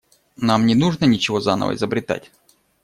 Нам не нужно ничего заново изобретать.